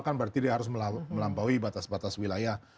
kan berarti dia harus melampaui batas batas wilayah